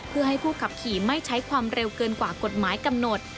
เพื่อให้ผู้ขับขี่ไม่ใช้ความเร็วเกินกว่ากฎหมายกำหนด